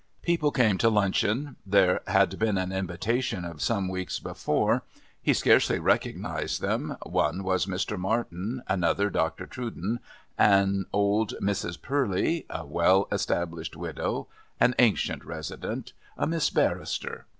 People came to luncheon; there had been an invitation of some weeks before. He scarcely recognised them; one was Mr. Martin, another Dr. Trudon, an old Mrs. Purley, a well established widow, an ancient resident, a Miss Barrester.